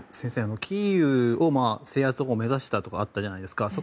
キーウの制圧を目指したとかあったじゃないですか。